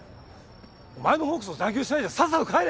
お前のほうこそ残業してないでさっさと帰れ。